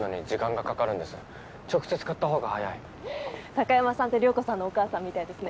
貴山さんって涼子さんのお母さんみたいですね。